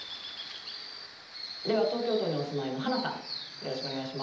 では東京都にお住まいのハナさんよろしくお願いします。